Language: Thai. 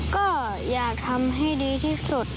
ก็อยากทำให้ดีที่สุด